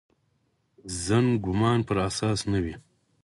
ظن ګومان پر اساس نه وي.